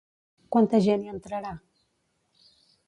Quanta gent hi entrarà?